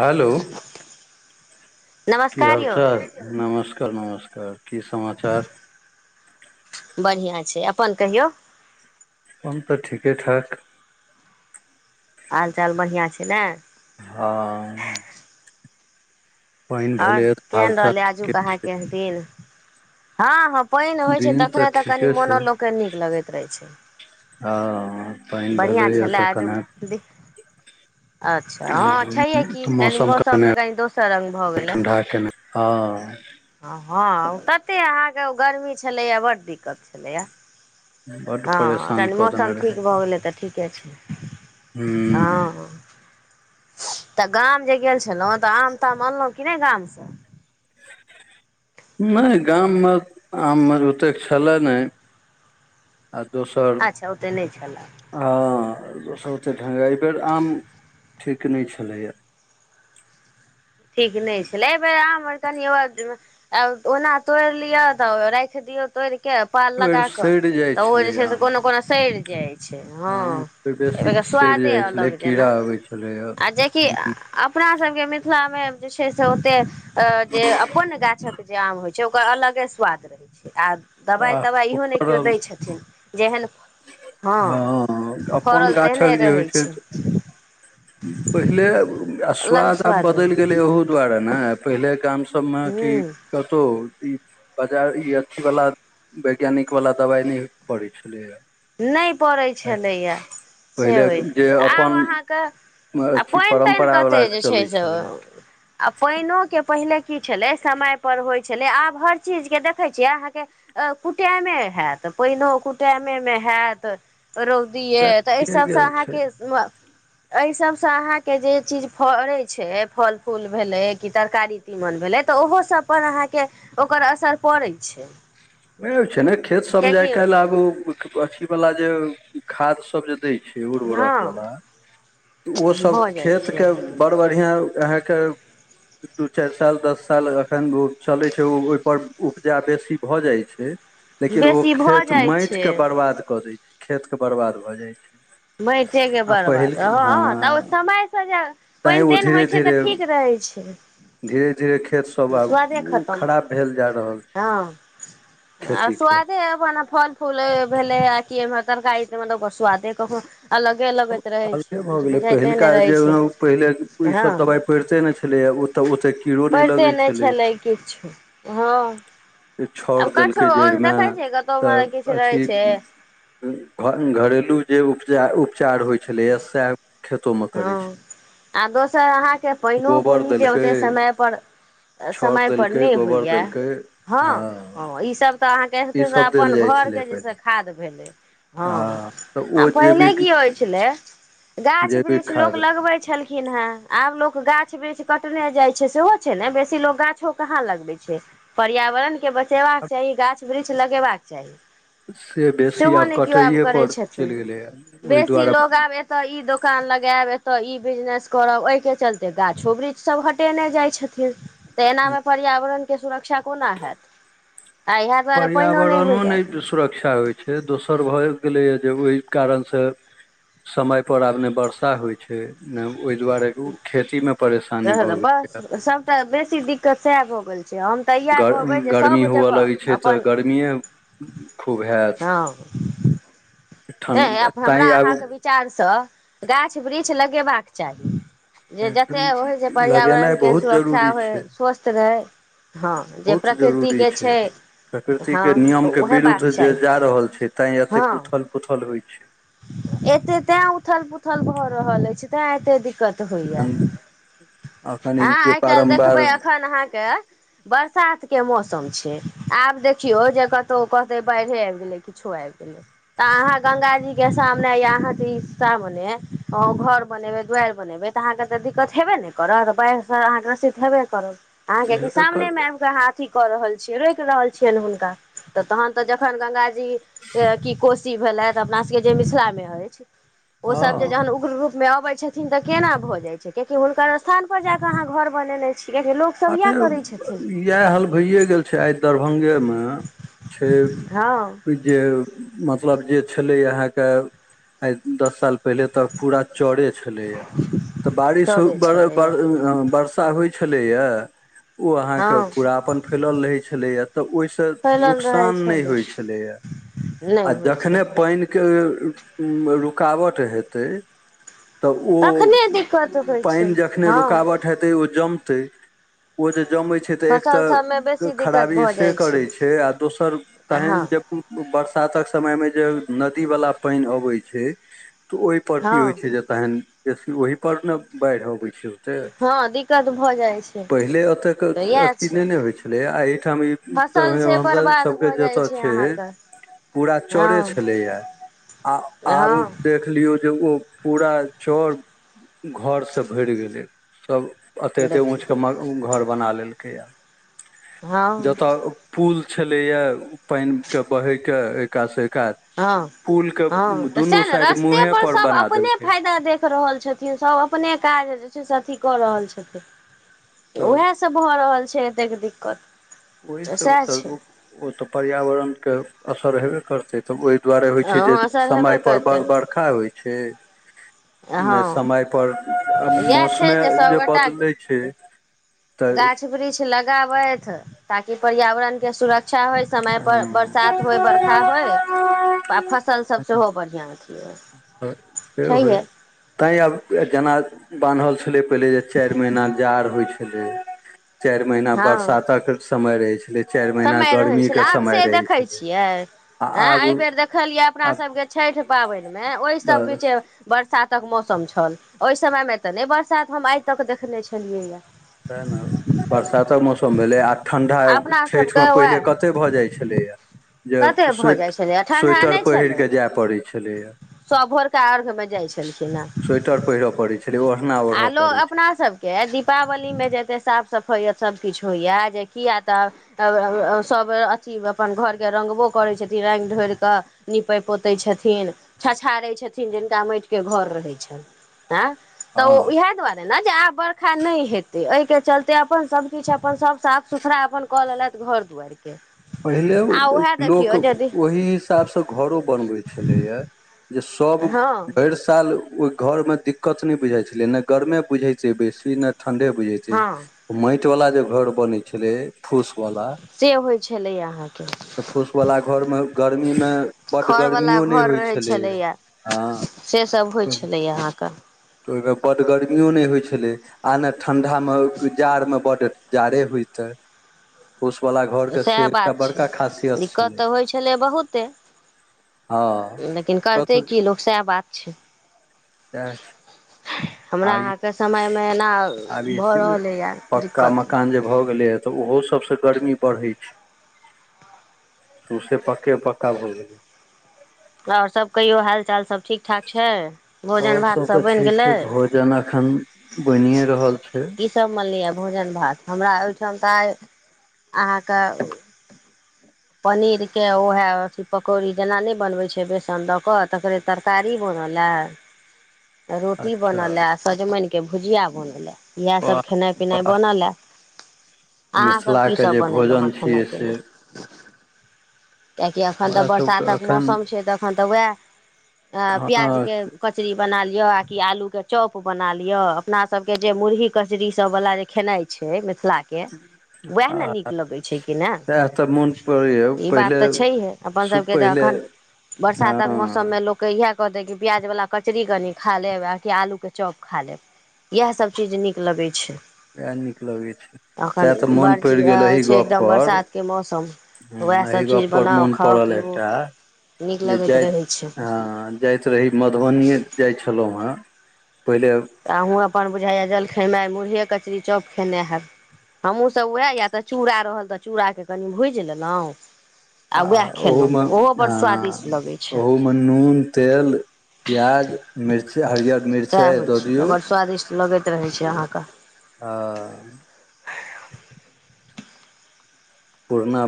हलो की नमस्कार यौ हालचाल नमस्कार नमस्कार की समाचार बढ़िआँ छै अपन कहियौ अपन तऽ ठीके ठाक हाल चाल बढ़ियाॅं छै नै हाँ आर केहन हालचाल रहलै आजू ठीके आहाँ के दिन हाँ हाँ पाइन होइ छै दिन तखने तऽ कनि ठीके छै मोनो लोकके नीक लगैत रहै छै हँ पानि बढ़ियाॅं भेलैए तऽ छलय आजु कने [inaudible] अच्छा हाँ छैहे की तऽ तनी मौसम कने त कनि दोसर रंग भऽ गेलै ठंडा केने हँ हाँ तते अहाँके गर्मी छलैए बड्ड दिक्कत छलै ए बड परेशान कऽ देने रहय भऽ गेलै तऽ ठीके छै हू हँ तऽ गाम जे गेल छलहुँ तऽ आम ताम अनलहुँ कि नहि गामसे [inaudible] नहि गाममे आम अर ओतेक छलय नहि आ दोसर अच्छा ओते नहि छलए आ सभ ओतेक ढंग एहि बेर आम ठीक नहि छलैए ठीक नहि छलै एहि बेर आम अर कनी ओ आ ओना तोड़ि लियअ तऽ राखि दियऔ तोड़ि के पाल एहि बेर लगा क सड़ि जाइ तऽ ओ छलै जे छै से आम कोनो कोना सइड़ आम हाँ बेसी सड़ि स्वादे जाइ छलै अलग कीड़ा जेना अबै छलैए आ जेकि अप अपना सबके मिल मिथिला में जे छै से ओते अ जे अपन गाछक जे आम होय छै ओकर अलगे स्वाद रहे आ दबाइ आ तबाइ इहो नहि ओकर केओ दै छथिन जेहन हँ हाँ अपन फड़ल तेहने गाछक जे होइ रहै छै पहिले आ अलग स्वाद आब रहै बदलि छै गेलै ओहु दुआरे ने पहिलेके गाम सबमे कि हूँ कतहु ई बाजार ई अथी वाला वैज्ञानिक वाला दवाई नहि पड़ै छलैया नहि पड़ैत छलैए से पहिले होइ जे छलै आब अपन अहाँके आ अथी पाइन ताइन परम्परा कतै वाला जे छै चलै से छलैए ओ पाइनो के पहिले की छलै समय पर होइत छलै आब हर चीजके देखै छियै अहाँके कुटैमे हैतऽ पहिनोहो कुटेमे मे होयत रौदी सएह तऽ एहि भए सबसे गेल छै अहाँके एहि सबसे अहाँके जे चीज फड़े छै फल फूल भेले कि तरकारी तीमन भेलै तऽ ओहो सब पर अहाँके ओकर असर पड़ै छै ओ छै ने खेत समझाय किएकि काल आब अथी वाला जे खाद सब जे द छै हँ उर्वरक वाला त ओ सब भऽ जाइ खेत छै के अहाँके बड़ बढ़ियाॅं अहाँके दू चार साल दस साल अखन ओ चलैत छै ओ ओहिपर उपजा बेसी भऽ जाइत छै छै लेकिन ओ बेसी भऽ खेत जाइ माइट के छै बर्बाद कऽ दै छै खेत के बर्बाद भऽ जाइ छै मैटे के आ बरबाद पहिल हँ ह तऽ समय से जे तैँ पैन ओ तैन होइ धीरे छै तऽ धीरे ठीक रहै छै छै धीरे धीरे खेतसभ आब ओ खतम खराब भेल जा रहल छै हँ आ खेतीके स्वादेना फल फूल भेलै कि तरकारी म ब सुआादे क आगे भऽ गेलै पहिलका नहि रहै जे छै पहिले हँ ईसभ दबाइ पहिढ़िते नहि छलैए ओतऽ गोटे कीड़ो नहि लअ नै छेलै किछो हँ छाउर आब कछो देलकै जैड़मे देखै छियै तऽ कतहु किछु रहै अथि छै घ घरेलू जे उपचा उपचार होइत छलैए अ हँ आ दोसर अहाँके पानिओ गोबर बुनी जे देलकै ओते समयपर छाउर समयपर देलकै नहि गोबर होइए देलकै हँ हँ ई सब तऽ अहाँकेे ईसभ देल अपन जाइ घर छलै के जे छै पहिले खाद भेलै हँ तऽ आ ओ पहिले जैविक की होइ छलै गाछ जैविक वृक्ष लोग खाद लगबै छलखिन ह आब लोग गाछ वृक्ष कटने जाय छै सेहो छै ने बेसी लोग गाछो कहाँ लगबै छै पर्यावरण के ब सेेबाका आब चाही गाछ वृक्ष लगेबाक चाही से बेसी सेहो नै केओ आब कटैए करै पर छथि चलि गेलैए ओहि बेसी लोग दुआरे आब एतऽ ई दोकान लग गायब एतऽ ई बिजनेस करब ओइके चलते गाछो वृक्ष सब हटेने जाइ छथिन तऽ एनामे पर्यावरणके सुरक्षा कोना हैत आ इएह दुआरे पानिओ नहि होइएा इच्षछा होइ छै दोसर भए गेलैए जे ओहि कारणसँ समय पर आब ने वर्षा होइ छै नहि ओहि दुआरे ओ खेतीमे परेशानी भऽ बस गेलैए से हम तऽ इएह गर कहबै जे गर्मी सब हुअ जगह लगै छै तऽ अपन गर्मिए खूब हैत हँ तैँ ठण्ड आब हमरा तैँ आब अहाँके विचारसँ गाछ वृक्ष लगेबाक चाही जे जतेक होइ जे लगेनाइ पर्यावरणके बहुत सुरक्षा जरूरी होय छै स्वस्थ रहय हँ जे प्रकृतिके छै प्रकृति हँ के नियम के ओ हेबाक विरुद्ध जे चाही जा रहल छै तें एतेक हँ उथल पुथल होइ छै एते तें उथल पूथल भऽ रहल अछि तें एते दिक्कत तऽ होए एखन एखन ई आँ जे आइ काल्हि बारम्बार देखबै एखन अहाँके बरसात मौसम छै आब देखियौ जे कतौ कहते बाढ़े आबि गेलै किछो आबि गेलै अहाँ गंगा जी के सामने या अह के इ घर बनेबे दुआाररि बनेबे तऽ अहाँके त दिककत हेबे हेडेन न करब बाढ़े से अहाँके ग्रसित हेबे करत अहाँ क सामने एकर मे आबि क आहाअथि क रहल छियै रोकि रहल छियैन हुनका तऽ तहन तऽ जब अखन गंग जी या की कोशी भेलैथ अपना सबके जे मिथिला मे अछि ओ सब जे हँ जहन उग्र रुप जे अबे छथिन तऽ केना भ जाय छथिन कियाक हुनकर स्थान पर जाक अहाँ घर बनेने छी कियकि लोकसभ इएह आरे करै छथिन इएह हाल भइए गेल छै आइ दरभंगेमे छै हँ जे मतलब जे छलय अहाँके आइ दस साल पहिले तऽ पूरा चड़े छलेया तऽ बारिश चले छलैए ज्यादा होइ छलैया ओ अहाँके हँ पूरा अपन फैलल रहै छलैया तऽ ओहिसँ फैलल रहै नुकसान नहि छलै होइ छलैएा नहि आ होइ जखनेहि छलैए पानिके रुकावट हेतै तऽ ओ तखने दिक्कत होइ छै पानि जखने हँ रुकावट हेतै ओ जमतै ओ जे छै त एक फसल सभमे त बेसी दिक्कत खराबी भऽ से जाइ करै छै आ दोसर हँ पैन सातक समयमे जे नदी वला पानि अबै छै त ओहि पर की हँ होइ छै जे तहन बेसी ओहि पर ने बाढ़ि अबै छै ओते हँ दिक्कत भऽ जाइ छै पहिले एतेक तऽ इएह अथी नहि छै ने होइत छलै आ एहिठाम फसल से ईर बर्बाद सभके भऽ जाइ जतऽ छै अहाँके पूरा चरे हँ छलैए आ आब हँ देख लियौ जे ओ पूरा चर घरसँ भरि गेलै सभ एते एते ऊंच देखियौ के घर बना लेलकै या हँ जतऽ पुल छलयया पैनि के बहे के एका त स हँ हँ तऽ सएह ने साइड रस्ते मुँहे पर सभ बना अपने देलकै फायदा देख रहल छथिन सभ अपने काज जे छै से अथी कऽ रहल छथिन तऽ उएह सब भऽ रहल छै एतेक दिक्कत ओहिसँ सएह तऽ छै ओ तऽ पर्यावरणके असर हेबे करतै तऽ ओहि दुआरे होइ छै जे हँ असर समय हेबे पर करतै बर बरखा होइ छै नहि हँ समयपर आ इएह छै मौसमे जे सभगोटा बदलै छै तऽ गाछ वृक्ष लगाबैथ ताकि पर्यावरण के सुर अच्छा होइ समय पर हँ बरसात होय बर्खा होय आ फसलसभ सेहो बढ़िआँ छियै से होइ तैँ आब जेना बान्हल छलै पहिले जे चारि महीना जाड़ होइ छलै चारि महिना हँ बरसातक के समय रहे छले चारि महीना गर्मी के लाआब समय से रहै देखे छलै छियै आ ऐं आब अयबेर देखलिये अपना आब सब के छठ पाबनि ओहि सबी बस छै बरसात तक मौसम छल ओहि समय मे तऽ नहि बरसात हम आइ तक देखने छलियै या त ने बरसातक मौसम भेलै आ ठण्डा अपना सबके छठिमे उएह पहिले कतेक भऽ जाइ छलैएा जे कते भऽ स्वे जाइ छलैए ठण्ढा स्वेटर नहि पहिर छलै कऽ जाय पड़ै छलैए सभ भोरका अर्घ मे जाइ छलखिन हे स्वेटर पहिरय पड़ै छलै ओढ़ना आ ओढ़य लोक पड़ै छलै अपनासभके दीपावलीमे जेतै साफ सफैअत सब किछु होइया जे किया तऽ अब अब सब अथी अपन घर के रंगबो करै छथिन रा्ग ढरिकऽ नीपे पोते छथिन छछाड़े छथिन जिनका माटिक के घर रहे छैन ऐं त हँ ओ इहै दुआरे ने जे आब बरा नहि हेैते चलते अपन सब किछु अपन सब साफ सुथड़ा अपन कऽ लेलथि घर दुआार के पहिले लोक यदि ओही हिसाबसँ घरो बनबै छलैए जे सब हँ भरि साल ओहि घरमे दिक्कत नहि बुझाइ छलै ने गरमे बुझैत छै बेसी ने ठंडे बुझे छै हँ माटि वाला जे घर बन छले फूस से होइ छै फूस वालला घरमे गर्मी मे बड खरवला गर्मियो नहि घर होइ रहै छलै छलैए से सब होइ हँ छलैए अहाँके तऽ ओहिमे बड गर्मियो नहि होइ छै छलै आ नहि ठण्डामे जाड़मे बड जाड़े होइत सएह बात छै खासियत दिक्कत छलै तऽ होइ छलै बहुते हँ लेकिन करतै की लोक सएह बात छै अ आ हमरा ई अहाँके समयमे एना आब इस भऽ ने रहलैए पक्का दिक्कत मकान जे भऽ गेलै ह तऽ ओहो सब गर्मी बढ़े छै सोसै पक्के पक्का भ गैलै आओर सब कहियो हाल चाल सब ठीक ठाक छै भोजन आओर भात सब तऽ बनि ठीक गेलै छै भोजन अखन बनिए रहल छै कि सब मनलैअ भोजन भात हमरा ओहिठाम तऽ आइ अहाँके पनीर के उहए अथी पकौड़ी जेना नहि बनबै छै बेसन दऽ कऽ तकरे तरकारी ब नल ए [inaudible] रोटी अच्छा बनलए सजमनि के भुजिया बनलए वाह इएहसभ खेनाइ पिनाइ वाह बनल हए अहाँसभ की मिथिलाके सभ जे बनेलहुँ हेँ भोजन खेनाइ छियै से पिनाइ किएकि एखन तऽ हमरा सभके बरसातक एखन मौसम छै तऽ एखन तऽ उएह हँ प्याजके कचरी बना लिअ आ कि आलूके चॉप बना लिअ अपना सबके जे मुरही कचरी सब बला जे खेनाइ छै मिथिलाक के उएह ने नीक लगैत छै कि ने सएह तऽ मोन पड़ैए ई बात पहिले तऽ छैहे अपन सु सभके जे पहिले एखन हँ बरसातक मौसममे लोकके इहए कहतै कि प्याज बला कचरी कनि खा लेब आ कि आलूके चॉप खा लेब इएह सभ चीज नीक लगैत छै उएह नीक लगै छै अखन सएह तऽ मोन बर्ष पड़ि गेल एही छै गप्प एकदम पर बरसातके मौसम उएह ह एह सभ चीज गप पर बनाउ मोन खाउ पड़ल पीबू एकटा नीक जे लगैत जाइत रहै छै हँ जाइत रही मधुबनिए जाइ छलहुँ हेँ पहिले तऽ अहूँ अपन बुझाइए जल खेनाइ मुरहए कचरी चप खेनाइ है हमहूँ सभ उएह यए तऽ चूड़ा रहल तऽ चूड़ाके कनि भूजि लेलहुँ आ उएह खेलहुँ ओहूमे ओहो बड़ आँ स्वादिष्ट लगै छै ओहूमे नून तेल प्याज मिर्चा सएह होइ छै तऽ बड्ड स्वादिष्ट लगैत रहैत छै अहाँके हँ पुरना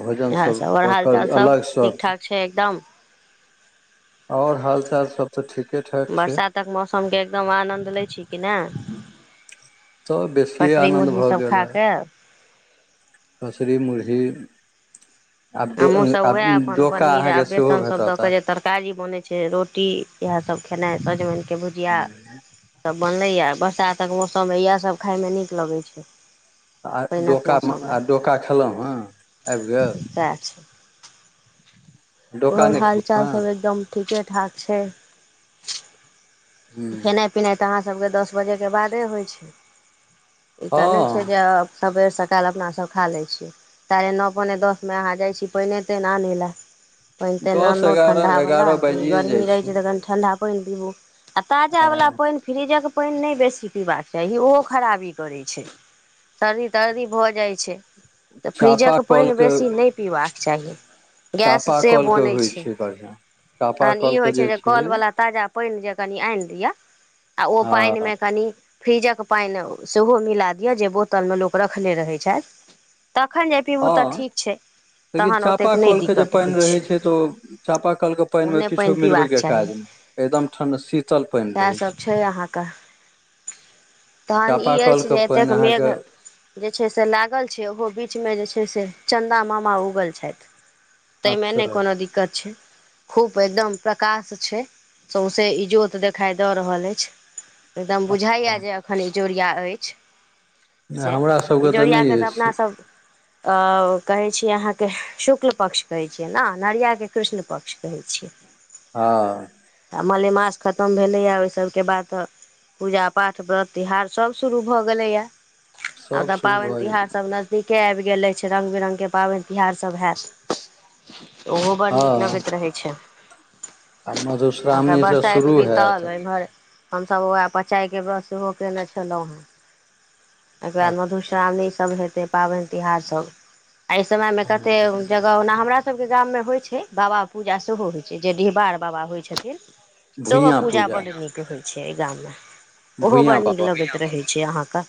भोजन सभ इएहसभ आओर ओकर हालचाल सभ अलग ठीक शौख ठाक छै एकदम आओर हाल चाल सब तऽ ठीक बरसातक मौसमके एकदम आनन्द लै छी कि नहि तऽ बेसिए कचरी आनन्द मुरही सभ खा कऽ कसरी मुरही आब डो हमहूँ सभ आब उएह अपन डोका पनीर आ अहाँके सेहो बेसनसभ दऽ भेटत क आब जे तरकारी बनैत छै रोटी इएह सभ सब खेनाइ सजमनके भुजिआ सब बनलैएा बरसातक मौसममे इएह सभ खाायमे नीक लगै छै आ पानिक डोकामे मौसममे आ डोका खेलहुँ हेँ आबि गेल सभ डोका आओर नहि हाल खेलहुँ चाल हेँ सब एकदम ठीके ठाक छै हूँ खेनाइ पिनाइ तऽ अहाँ सबके दस बजेके बादे होइ छै ई तऽ नहि छै हँ जे सबेर सकाल अपनासभ खा लै छी सााढे नओ पौने दसमे अहाँ जाइ छी पइने तइन आनै लए पानि तानि दस आनलहु ठंडा एगारह बला एगारह कनी बाजिए जाइ गर्मी रहै छै तऽ कनि ठंडा पानि पीबू आ ताजा बाला हँ पानि फ्रिजक पानि नहि बेसी पीबाक चाही ओहो खराबी करै छै सर्दी तर्दी भऽ जाइ छै तऽ चापा फ्रिजक कल पानि के बेसी नहि पीबाक चाही गैस चापा से कल के बनैत होइ छै बढ़िआँ चापा तहन ई कल के होइ छै जे कल बला ताजा पानि जे कनि आनि दिअ आ ओ हँ पानिमे कनि फ्रीजक पानि सेहो मिला दिअ जे बोतलमे लोक रखने रहै छथि तखन जे पीबू तऽ हँ ठीक छै लेकिन तहन ओतेक नहि चापााकलके जे दिक्कत पानि होइ रहैत छै तऽ ओ चापााकलके पानिमे ओहने किछो पानि पीबाक मिलबैके चाही काज नहि एकदम ठण्ड शीत सएह सभ छै अहाँके तहन ई चापा कल अछि के जे एतेक पानि मेघ अहाँके जे छै से लागल छै ओहो बीचमे जे छै से चन्दा मामा उगल छथि तहिमे अच्छा नहि कोनो दिक्कत छै खूब एकदम प्रकाश छै सौसे इजोत त देखाई दऽ रहल अछि एकदम बुझाया जे एखन ईजोरिया अछि से हमरा सबके ईजोरिया नहि कऽ तऽ अछि अपनासभ अ कहैत छियै अहाँके शुक्ल पक्ष कहैत छियै न अनहरियाके कृष्ण पक्ष कहैत छियै हँ आ मलेमास खतम भेलैए ओहि सभके बाद तऽ पूजा पाठ व्रत तिहार सभ शुरू भऽ गेलैया सब आबतऽ शुरू पाबन भऽ तिहार सब नजदीके ह गेलै छै रंग बिरंगके पाबनि तिहार सब हैयत ओहो बड़ नीक हँ लगैत रहैत छै आ मधुश्रामणीसँ राइत बितल एमहर हमसभ उएह पचायके ब्रश सेहो केयने छलहुँ ओके आ बाद मधुश्राावणीसभ हेतै पाबनि तिहारसभ एहि समय मे कते जगह ओना हमरा हमरा सभके गाममे होइ छै बाबा पूजा सेहो होइ छै जे डिहबार बाबा होइ छथिन सेहो पूजा बड नीक होइत छै एहि गाममे ओहो भुइयाँ बड़ नीक बाबा लगैत रहैत छै अहाँके